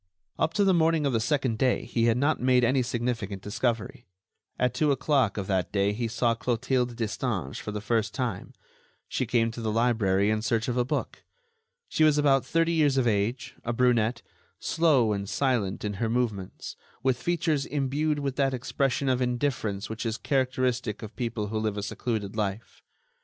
Up to the morning of the second day he had not made any significant discovery. At two o'clock of that day he saw Clotilde Destange for the first time; she came to the library in search of a book. She was about thirty years of age, a brunette, slow and silent in her movements, with features imbued with that expression of indifference which is characteristic of people who live a secluded life.